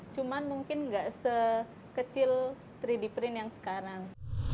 cuma mungkin nggak sekecil tiga d print yang sekarang